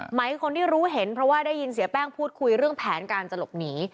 หมายคนที่รู้เห็นเพราะว่าได้ยินเสียแป้งพูดคุยเรื่องแผนการจะหลบหนี